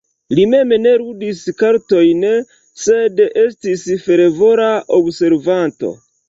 Li mem ne ludis kartojn, sed estis fervora observanto.